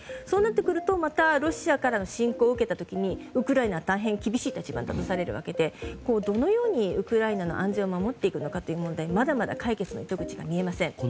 そうなってくるとまたロシアからの侵攻を受けた時にウクライナは大変厳しい立場に立たされるわけでどのようにウクライナの安全を守っていくのかという問題はまだまだ解決の糸口が見えません。